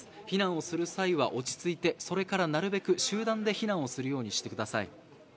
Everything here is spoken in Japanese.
避難をする際は落ち着いてそれから、なるべく集団で避難するようにしてください。